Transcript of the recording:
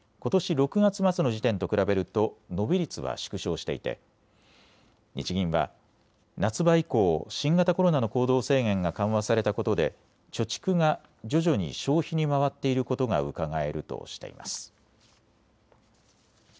６月末の時点と比べると伸び率は縮小していて日銀は夏場以降、新型コロナの行動制限が緩和されたことで貯蓄が徐々に消費に回っていることがうかがえるとしています。